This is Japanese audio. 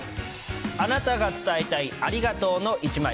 あなたが伝えたいありがとうの１枚。